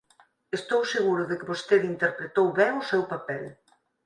Estou seguro de que vostede interpretou ben o seu papel.